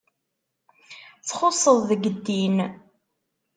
Txusseḍ deg ddin.